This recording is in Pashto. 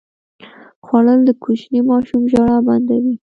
خوړل د کوچني ماشوم ژړا بنده وي